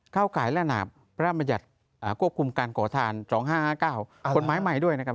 ข้าวขายระหนับจะมีพระระมะยัดกวบคุมการก่อทาน๒๕๕๙ผลไม้ใหม่ด้วยนะครับ